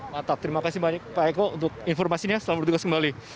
mata terima kasih banyak pak eko untuk informasinya selamat bertugas kembali